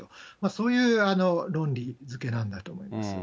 そういう論理づけなわけなんだと思います。